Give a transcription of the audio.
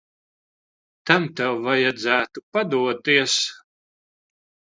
Tam tev vajadzētu padoties.